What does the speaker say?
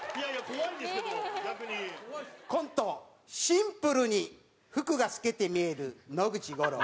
「シンプルに服が透けて見える野口五郎」。